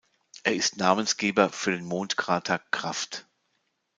Er ist Namensgeber für den Mondkrater "Krafft".